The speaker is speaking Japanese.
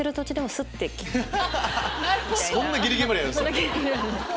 そんなギリギリまでやるんすね。